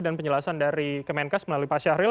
dan penjelasan dari kemenkas melalui pak syahril